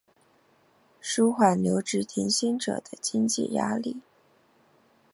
纾缓留职停薪者的经济压力